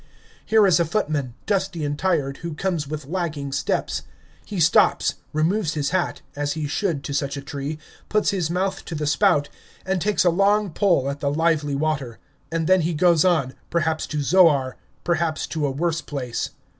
Here is a footman, dusty and tired, who comes with lagging steps. He stops, removes his hat, as he should to such a tree, puts his mouth to the spout, and takes a long pull at the lively water. And then he goes on, perhaps to Zoar, perhaps to a worse place.